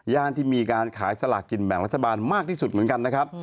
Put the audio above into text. ที่มีการขายสลากกินแบ่งรัฐบาลมากที่สุดเหมือนกันนะครับ